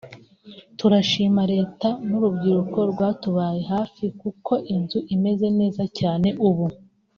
turashima Leta n’urubyiruko rwatubaye hafi kuko inzu imeze neza cyane ubu